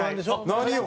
何を？